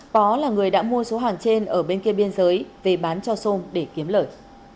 pó là người đã mua số hàng trên ở bên kia biên giới về bán cho xôn để kiếm lợi